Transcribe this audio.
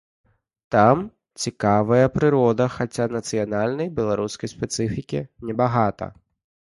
Там цікавая прырода, хаця нацыянальнай, беларускай спецыфікі небагата.